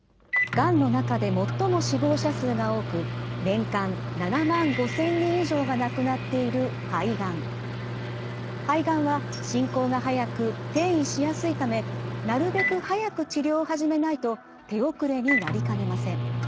がんの中で最も死亡者数が多く年間７万５，０００人以上が亡くなっている肺がんは進行が速く転移しやすいためなるべく早く治療を始めないと手遅れになりかねません。